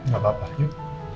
gak apa apa yuk